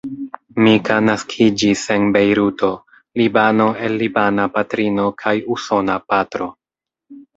Mika naskiĝis en Bejruto, Libano el libana patrino kaj usona patro.